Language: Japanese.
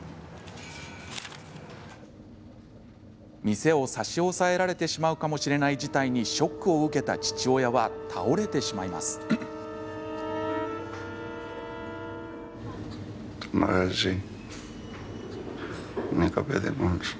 店を差し押さえられてしまうかもしれないことにショックを受けた父親は倒れてしまいます。